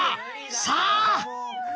さあ！